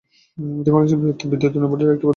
এটি বাংলাদেশ বিদ্যুৎ উন্নয়ন বোর্ডের একটি প্রতিষ্ঠান।